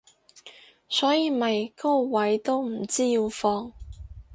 所以咪高位都唔知要放